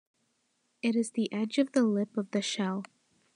It is the edge of the lip of the shell.